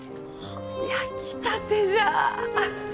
あ焼きたてじゃ！